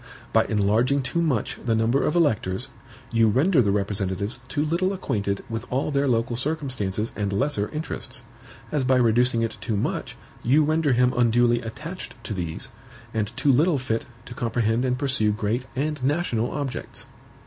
By enlarging too much the number of electors, you render the representatives too little acquainted with all their local circumstances and lesser interests; as by reducing it too much, you render him unduly attached to these, and too little fit to comprehend and pursue great and national objects.